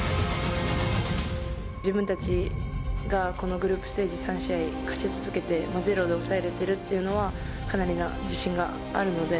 自分たちがこのグループステージ３試合、勝ち続けてゼロで抑えれてるっていうのはかなりの自信があるので。